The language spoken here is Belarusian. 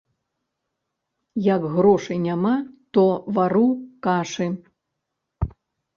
Як грошай няма, то вару кашы.